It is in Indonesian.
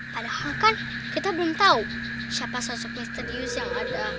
padahal kan kita belum tahu siapa sosok misterius yang ada